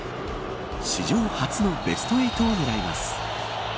史上初のベスト８を狙います。